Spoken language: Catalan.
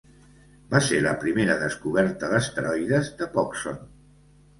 Va ser la primera descoberta d'asteroides de Pogson.